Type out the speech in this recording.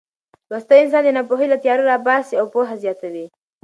لوستل انسان د ناپوهۍ له تیارو راباسي او پوهه زیاتوي.